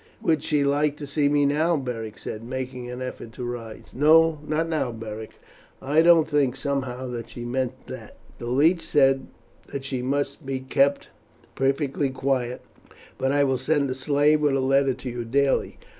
'" "Would she like to see me now?" Beric said, making an effort to rise. "No, not now, Beric. I don't think somehow that she meant that. The leech said that she must be kept perfectly quiet; but I will send a slave with a letter to you daily.